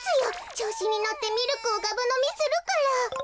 ちょうしにのってミルクをがぶのみするから。